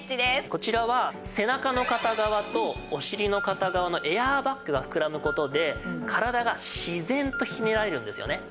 こちらは背中の片側とお尻の片側のエアーバッグが膨らむ事で体が自然とひねられるんですよね。